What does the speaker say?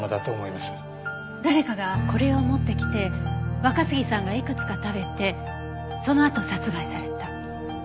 誰かがこれを持ってきて若杉さんがいくつか食べてそのあと殺害された。